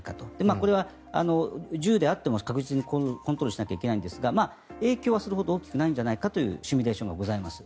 これは１０であっても確実にコントロールしないといけないんですが影響はそれほど大きくないんじゃないかというシミュレーションがございます。